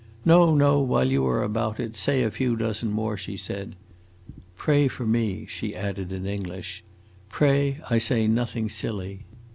"No, no; while you are about it, say a few dozen more!" she said. "Pray for me," she added in English. "Pray, I say nothing silly.